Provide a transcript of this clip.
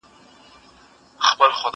زه له سهاره د سبا لپاره د ليکلو تمرين کوم..